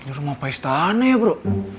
ini rumah paistane ya bro